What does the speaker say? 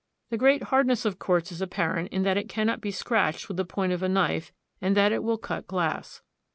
The great hardness of quartz is apparent in that it cannot be scratched with the point of a knife and that it will cut glass.